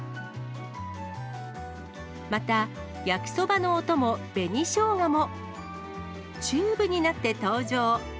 また、焼きそばのお供、紅しょうがも、チューブになって登場。